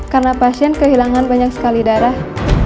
karena pasien kehilangan banyak sekali darah